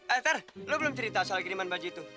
eh eh ter lu belum cerita soal kiriman baju itu